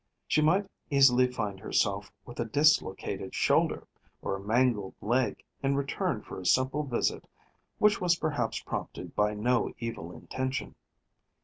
She might easily find herself with a dislocated shoulder or a mangled leg in return for a simple visit which was perhaps prompted by no evil intention.